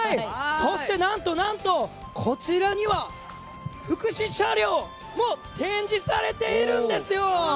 そして、なんとなんとこちらには、福祉車両も展示されているんですよ。